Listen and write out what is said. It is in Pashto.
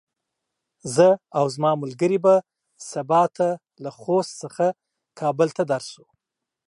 زه او زما ملګري به سبا ته له خوست څخه کابل ته درشو.